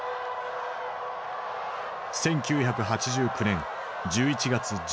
１９８９年１１月１７日